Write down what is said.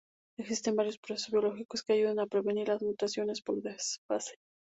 Existen varios procesos biológicos que ayudan a prevenir las mutaciones por desfase.